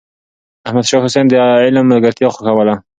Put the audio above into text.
احمد شاه حسين د علم ملګرتيا خوښوله.